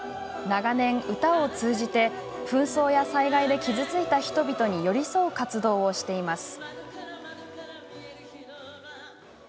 長年、歌を通じて紛争や災害で傷ついた人々に寄り添う活動をしています。